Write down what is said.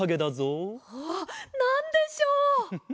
おなんでしょう！